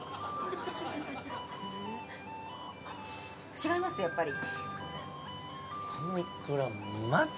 違います、やっぱり？